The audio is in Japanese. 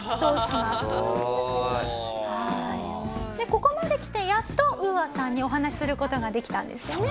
ここまできてやっとＵＡさんにお話しする事ができたんですよね？